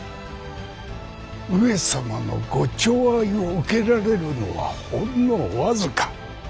上様のご寵愛を受けられるのはほんの僅か。